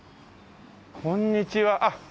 こんにちは。